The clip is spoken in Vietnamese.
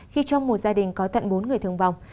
khi trong một gia đình có tận bốn người thương vong